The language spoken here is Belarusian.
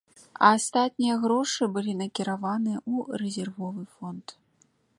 А астатнія грошы былі накіраваныя ў рэзервовы фонд.